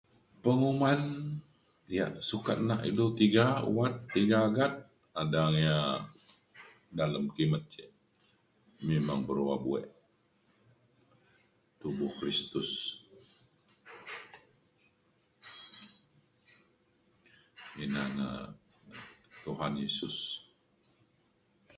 penguman yak sukat nak ilu tiga wat tiga agat adang ia’ dalem kimet ce memang berua buek tubuh Kristus ina na Tuhan Yesus.